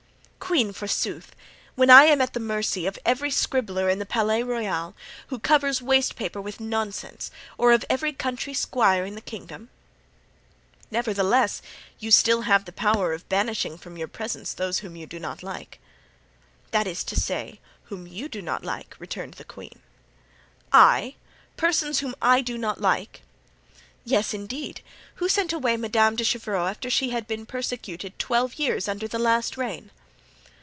"Queen, forsooth! when I am at the mercy of every scribbler in the Palais Royal who covers waste paper with nonsense, or of every country squire in the kingdom." "Nevertheless, you have still the power of banishing from your presence those whom you do not like!" "That is to say, whom you do not like," returned the queen. "I! persons whom I do not like!" "Yes, indeed. Who sent away Madame de Chevreuse after she had been persecuted twelve years under the last reign?"